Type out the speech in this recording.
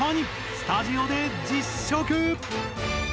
スタジオで実食！